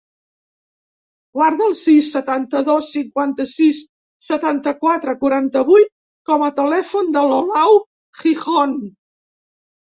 Guarda el sis, setanta-dos, cinquanta-sis, setanta-quatre, quaranta-vuit com a telèfon de l'Olau Gijon.